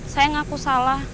saya ngaku salah